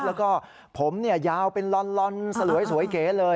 แล้วก็ผมยาวเป็นลอนสลวยสวยเก๋เลย